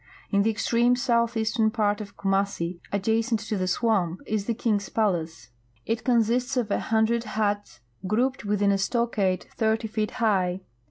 In the extreme south eastern part of Kumassi, adjacent to the swamp, is the king's palace. It consists of a hundred huts grouped witliin a stockade thirty feet high.